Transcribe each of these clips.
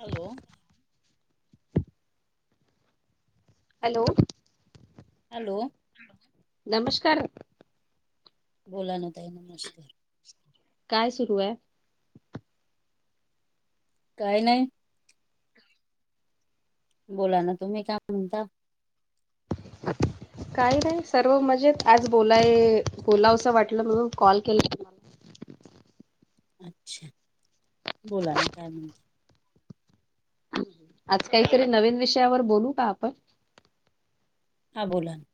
Hello! Hello! Hello! [inaudible] नमस्कार! बोला ना ताई. नमस्कार! काय सुरू आहे! काही नाही. बोला ना तुम्ही काय म्हणता? काही नाही सर्व मजेत आज बोलाय बोलावसं वाटलं म्हणून कॉल केला. तुम्हाला. अच्छा, बोला ना काय म्हणता? आज काहीतरी नवीन विषयावर बोलू का आपण? हा बोला ना.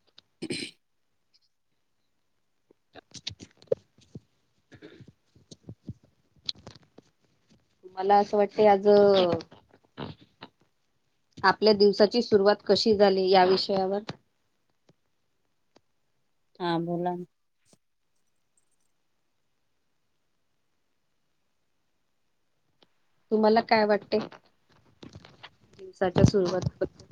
मला असं वाटते आज अ आपल्या दिवसाची सुरुवात कशी झाली, या विषयावर हा बोला ना तुम्हाला काय वाटते? दिवसाच्या सुरवात बद्द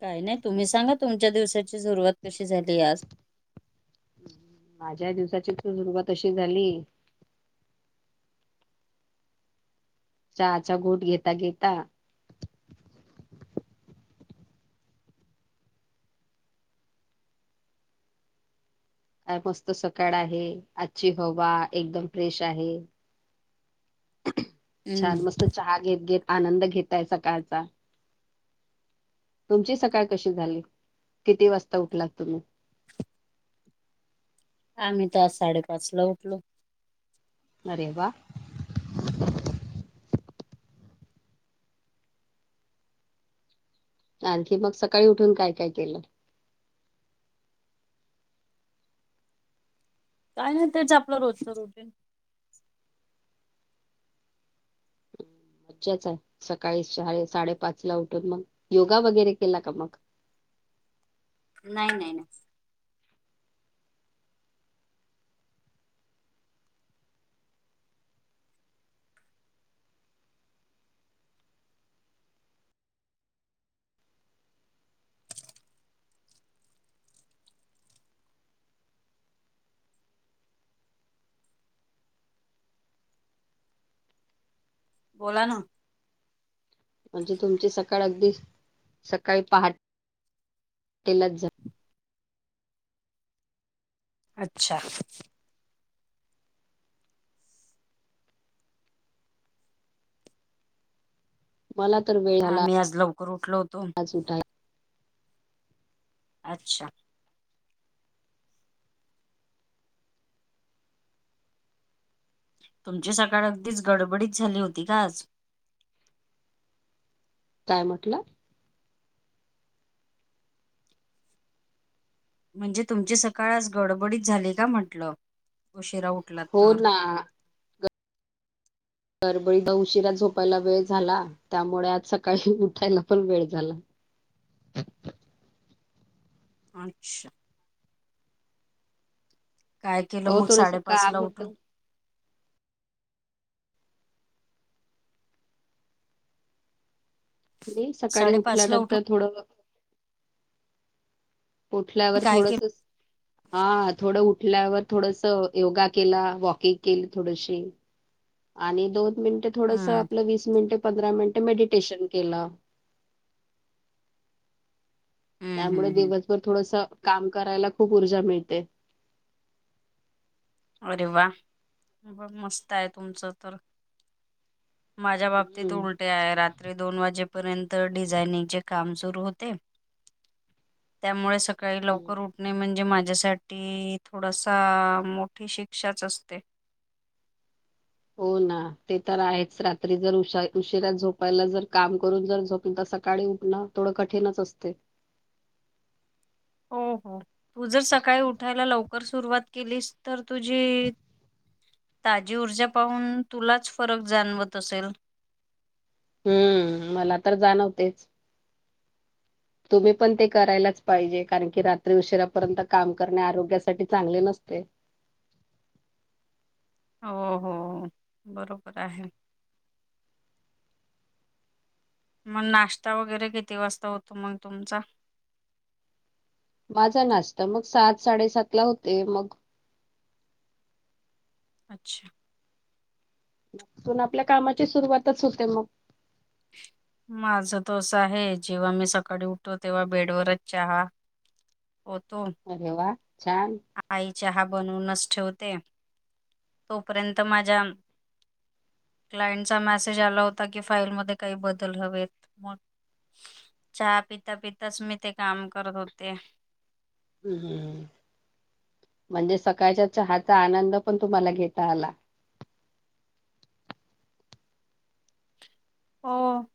काही नाही, तुम्ही सांगा तुमच्या दिवसाची सुरुवात कशी झाली आज माझ्या दिवसाची सुरुवात अशी झाली चहाचा घोट घेता-घेता काय मस्त सकाळ आहे, आजची हवा एकदम फ्रेश आहे. हम्म छान मस्त चहा घेत-घेत, आनंद घेतय सकाळचा. तुमची सकाळ कशी झाली, किती वाजता उठलात तुम्ही? आम्ही तर आज साडे-पाच ला उठलो. अरे वा! आणखी मग सकाळी उठून काय-काय केलं? काय नाय, तेच आपलं रोजचं रुटीन मज्जाच आहे, सकाळी साडे-पाचला उठून मग योगा वगैरे केला का मग? नाय -नाही, नाही. बोला ना. म्हणजे तुमची सकाळी अगदी सकाळी [unintelligible] पहाटेलाच झाली. अच्छा, मला आम्ही आज लवकर उठलो होतो सुठा [unintelligible] अच्छा!, तुमची सकाळ अगदीच गडबडीत झाली होती का आज? काय म्हटला? म्हणजे तुमची सकाळ आज गडबडीत झाली का म्हटलं, उशिरा उठलात हो तर? ना. गडबडीपं उशिरा झोपायला वेळ झाला. त्यामुळे आज सकाळी उठायला पण वेळ झाला. अच्छा, काय केलं अहो मग थोडसं साडेपाच काम ला उठून? होतं. मी सकाळी साडेपाच ला उठून उठल्यानंतर थोडं अं उठल्यावर काय थोडस केलं स हा, थोडं उठल्यावर थोडस योगा केला, वॉकिंग केली थोडशी. आणि दोन मिनिट थोडसं हम्म आपल वीस मिनिटे, पंधरा मिनिटे मेडिटेशन केलं. हम्म हम्म त्यामुळे हम्म दिवसभर थोडसं काम करायला खूप ऊर्जा मिळते. अरे वा! बरं मस्त आहे तुमचं तर माझ्या बाबतीत हम्म उल टे आहे, रात्री दोन वाजेपर्यंत डिझाइनिंग चे काम सुरू होते. त्यामुळे सकाळी हम्म. लवकर उठणे, म्हणजे माझ्यासाठी थोडासा मो मोठी शिक्षाच असते. हो ना, ते तर आहेच रात्री जर उशिरा झोपायला जर काम करून जर झोपल तर सकाळी उठना थोडं कठीणच असते. हो-हो!. तू जर सकाळी उठायला लवकर सुरुवात केलीस तर तुझे. ताजी ऊर्जा पाहून तुलाच फरक जाणवत असेल. हम्म, ! मला तर जाणवतेच. तुम्ही पण ते करायलाच पाहिजे, कारण की रात्री उशिरापर्यंत काम करणे आरोग्यासाठी चांगले नसते. हो-हो, ! ! बरोबर आहे. मग नाश्ता वगैरे किती वाजता होतो. मग तुमचा? माझा नाश्ता बघ सात-साडेसात ला होतोय मग. छै. तिथून आपल्या कामाची सुरुवातच कसे होते मग. माझं त अस आहे. जेव्हा मी सकाळी उठोतो तेव्हा बेड वरच चहा. होतो? अरे वा छान [unintelligible] आई चहा बनवूनच ठेवते,? तोपर्यंत माझ्या क्लाइंटचा मेसेज आला होता. की फाईलमध्ये काही बदल हवेत! चहा पितापिताच मी, ते काम करत होते. हम म्हणजे, सकाळच्या चहाचा आनंद पण तुम्हाला घेता आला. हो!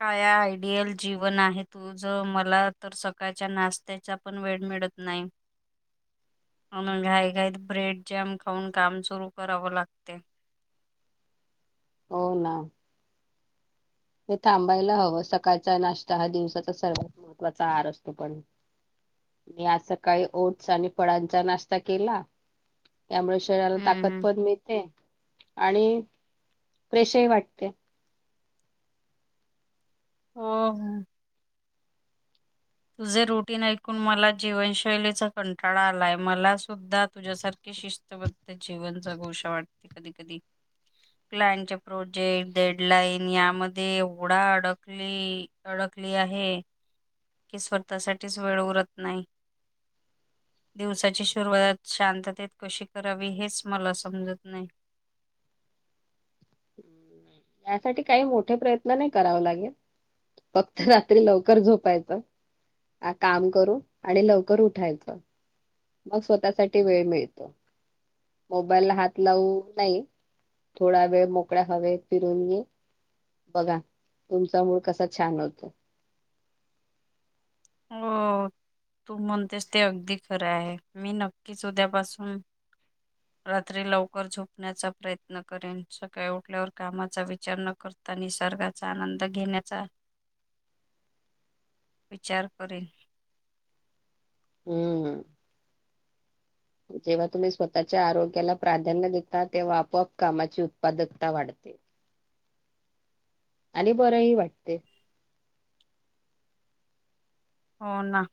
काया आयडियल जीवन आहे. तुझ मला तर सकाळच्या नाष्टयांच्या पण वेळ मिळत नाही. मग, घाईघाईत ब्रेड जॅम खाऊन काम सुरु करावं लागत. हो हो. हे थांबायला हवं, सकाळचा नाष्टा हा दिवसाचा सर्वात महत्त्वाचा आहार असतो. पण! मी आज सकाळी ओट्स आणि फळंचा नाष्टा केला. त्यामुळे, शरीराला ताकद हम्म पण मिळते. आणि! फ्रेशही वाटते हो. तुझे रुटीन ऐकून मला जीवनशैलीचा कंटाळा आलाय मला सुद्धा तुझ्यासारखी. शिस्तबद्ध जीवन जगुस वाटत कधी कधी. क्लाएंट प्रोजेक्ट डेडलाईन यामध्ये एवढा अडकली? अडकली आहे.? स्वतःसाठीच वेळ उरत नाही. दिवसाची सुरुवात शांततेत कशी करावी हेच मला समजत नाही. यासाठी काही मोठे प्रयत्न नाही. कराव नहीं लागत. फक्त रात्री लवकर झोपायचं. ह काम करू आणि लवकर उठायचं [unintelligible] मग स्वतःसाठी वेळ दे, मोबाईल हात लावू नाही. थोडा वेळ मोकळ्या मद्दे हवेत फिरून येे,? बघा, तुमचा मूड कसा छान होतो. हो, ! तू म्हणतेस ते अगदी खरं आहे. मी नक्कीच उद्यापासून रात्री लवकर झोपण्याचा प्रयत्न करेन, सकाळी उठल्यावर कामाचा विचार नक्की क निसर्गाचा आनंद घेण्याचा. विचार करिन अं जेव्हा तुम्ही स्वतःच्या आरोग्याला प्राधान्य देता, तेव्हा आपोआप कामाची उत्पादकता वाढते. आणि बरंहि वाटते. हो ना.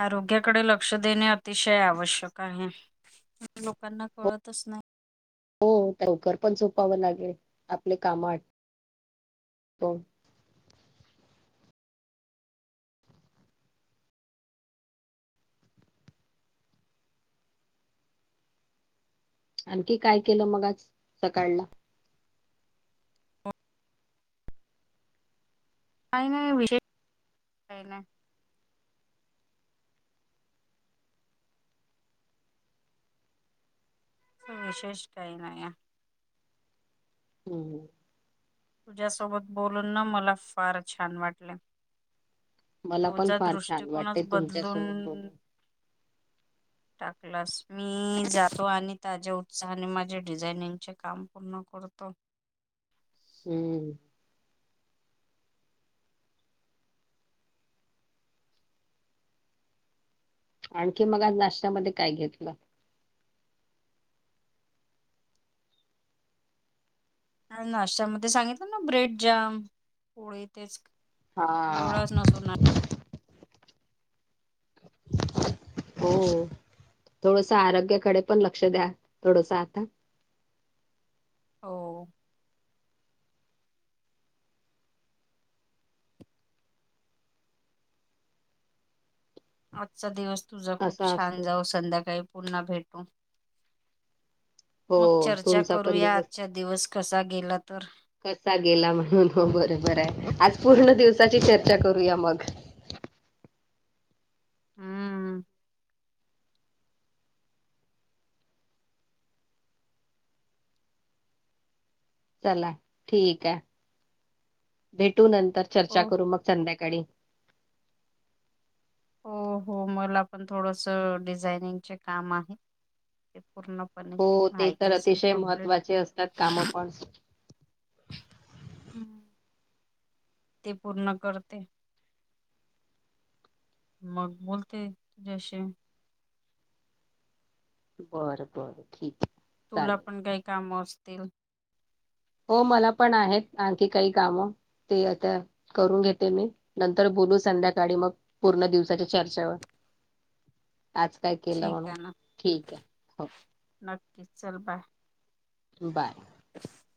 आरोग्याकडे लक्ष देणे अतिशय आवश्यक आहे. लोकांना कळतच नाही. हो लवकर पण झोपावं लागेल, आपले कामं आटपून. आणखी काय केलं मग आज सकाळला? काही नाही विशेष, काही नाही. विशेष कही नाहीया. ह तुझ्यासोबत बोलून ना मला फार छान वाटल.. मला पण फार छान वाटतंय दृष्टिकोनच तुमच्यासोबत बदलून बोलून. टाकलास मी जातो आणि ताज्या उत्साहाने माझे डिझाईनिंगचे काम पूर्ण करतो. हं आणखी मग आज नाश्त्यामध्ये काय घेतलं? आज नाश्त्यामध्ये सांगितलं ना, ब्रेड जॅम, पोळी तेच. हा. [unintelligible] हो थोडसं आरोग्याकडे पण लक्ष द्या, थोडसं आता हो. आजचा दिवस तुझा खूप असा छान असतो जावो. संध्याकाळी पुन्हा भेटू. मग हो चर्चा तुमचा पण करूया, दिवस आजचा दिवस कसा गेला तर. कसा गेला म्हणून हो बरोबर आहे. आज पूर्ण दिवसाची चर्चा करूया मग. अम्म चला ठीक आहे, भेटू नंतर चर्चा हो करू मग संध्याकाळी. हो हो मला पण थोडसं डिझाइनिंगचे काम आहे, ते पूर्ण पण हो ते तर व्हायचे असेल अतिशय कंप्लिट महत्त्वाचे असतात कामं पण हम्म ते पूर्ण करते. मग बोलते तुज्याशी. बरं बरं ठीकये. तुला पण काही कामं असतील. हो मला पण आहेत आणखी काही कामं, ते आता करून घेते मी, नंतर बोलू संध्याकाळी. मग पूर्ण दिवसाच्या चर्चावर आज काय ठीक केलं, ठीक आहेवं नटकीस चल बाय. बाय [inaudible]